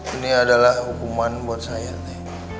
ini adalah hukuman buat gue